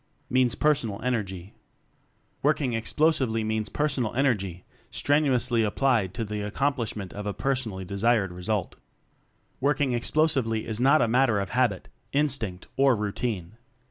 Means Personal Energy Working Explosively means per sonal energy, strenuously applied to the accomplishment of a personally desirable result. Working Explosively is not a matter of habit, instinct, or routine.